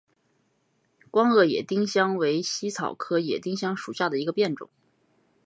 光萼野丁香为茜草科野丁香属下的一个变种。